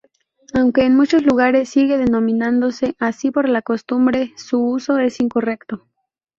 Aunque en muchos lugares sigue denominándose así por la costumbre, su uso es incorrecto.